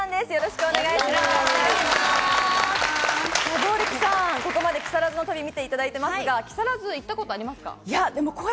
剛力さん、木更津の旅を見ていただいていますが、木更津へは行ったことありますか？